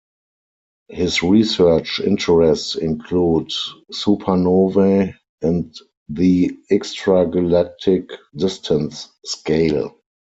His research interests include supernovae and the extragalactic distance scale.